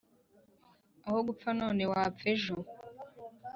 Aho gupfa none wapfa ejo.